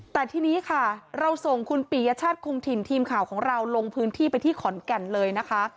แต่ทีนี้ค่ะเราส่งคุณปียชาติคงถิ่นทีมข่าวของเราลงพื้นที่ไปที่ขอนแก่นเลยนะคะ